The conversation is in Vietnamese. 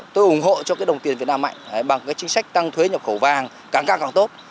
tôi ủng hộ cho đồng tiền việt nam mạnh bằng chính sách tăng thuế nhập khẩu vàng càng càng tốt